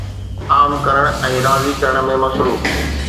عام ڪرڻ ۽ راضي ڪرڻ ۾ مصروف